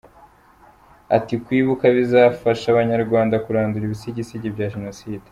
Ati “Kwibuka bizafasha Abanyarwanda kurandura ibisigisigi bya Jenoside.